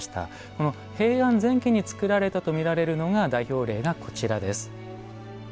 この平安前期に造られたと見られる代表例がこちらです。